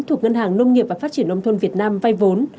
thuộc ngân hàng nông nghiệp và phát triển nông thôn việt nam vay vốn